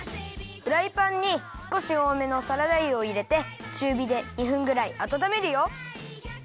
フライパンにすこしおおめのサラダ油をいれてちゅうびで２分ぐらいあたためるよ。